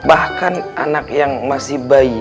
bahkan anak yang masih bayi